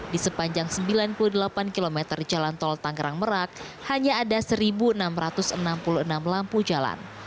di sepanjang sembilan puluh delapan km jalan tol tangerang merak hanya ada satu enam ratus enam puluh enam lampu jalan